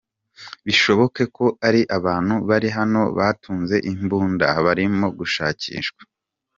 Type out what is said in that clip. Bishoboke ko ari abantu bari hano batunze imbunda, barimo gushakishwa.